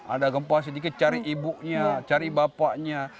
ada gempa sedikit cari ibunya cari bapaknya